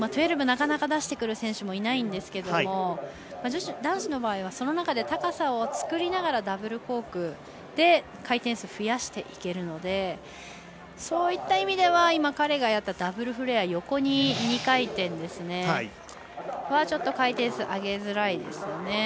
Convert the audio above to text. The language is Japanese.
１２６０はなかなか出してくる選手もいないんですけれども男子の場合はその中で高さを作りながらダブルコークで回転数増やしていけるのでそういった意味では彼がやったダブルフレア、横に２回転はちょっと回転数上げづらいですね。